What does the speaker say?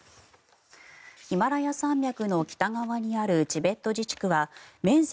ヒマラヤ山脈の北側にあるチベット自治区は面積